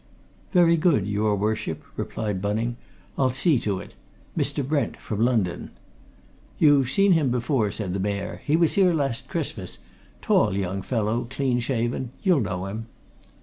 "Very good, your Worship," replied Bunning. "I'll see to it. Mr. Brent, from London." "You've seen him before," said the Mayor. "He was here last Christmas tall young fellow, clean shaven. You'll know him."